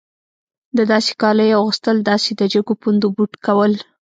د داسې کالیو اغوستل داسې د جګو پوندو بوټ کول.